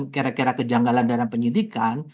kira kira kejanggalan dalam penyidikan